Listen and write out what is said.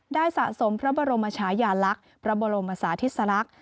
สะสมพระบรมชายาลักษณ์พระบรมศาธิสลักษณ์